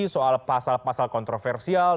soal pasal pasal kontroversial